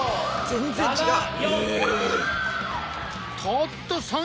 全然違う！